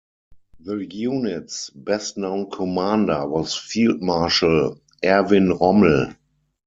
The unit's best known commander was Field Marshal Erwin Rommel.